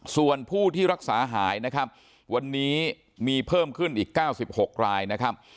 ส่วนผู้ที่รักษาหายนะครับวันนี้มีเพิ่มขึ้นอีก๙๖รายนะครับ